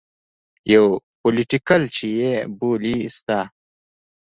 يو پوليټيکل چې يې بولي سته.